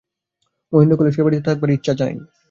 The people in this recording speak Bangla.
মহেন্দ্র কহিল, সে বাড়িতে থাকিবার জায়গা নাই।